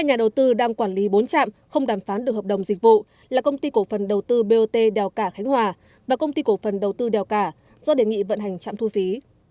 hai nhà đầu tư đang quản lý bốn trạm không đàm phán được hợp đồng dịch vụ là công ty cổ phần đầu tư bot đèo cả khánh hòa và công ty cổ phần đầu tư đèo cả do đề nghị vận hành trạm thu phí